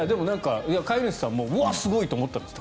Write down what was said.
飼い主さんもうわ、すごい！と思ったんですって。